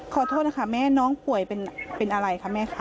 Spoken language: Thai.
ขอโทษนะคะแม่น้องป่วยเป็นอะไรคะแม่คะ